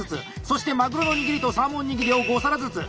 そしてマグロの握りとサーモン握りを５皿ずつ。